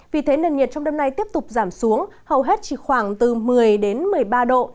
vì thế nền nhiệt trong đêm nay tiếp tục giảm xuống hầu hết chỉ khoảng từ một mươi đến một mươi ba độ